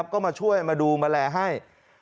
ก็มาช่วยมาดูมาแลให้